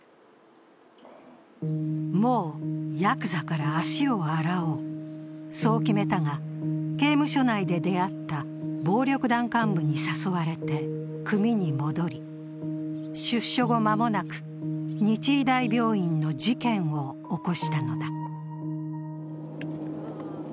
もうヤクザから足を洗おう、そう決めたが、刑務所内で出会った暴力団幹部に誘われて、組に戻り、出所後、間もなく日医大病院の事件を起こしたのだ。